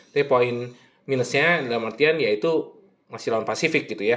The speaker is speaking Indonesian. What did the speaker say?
tapi poin minusnya dalam artian ya itu masih lawan pasifik gitu ya